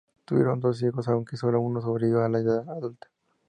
Tuvieron dos hijos, aunque solo uno sobrevivió a la edad adulta.